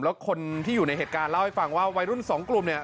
แล้วคนที่อยู่ในเหตุการณ์เล่าให้ฟังว่าวัยรุ่นสองกลุ่มเนี่ย